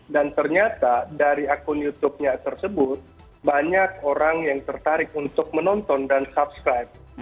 dan ternyata dari akun youtubenya tersebut banyak orang yang tertarik untuk menonton dan subscribe